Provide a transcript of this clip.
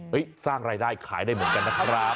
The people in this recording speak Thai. สร้างรายได้ขายได้เหมือนกันนะครับ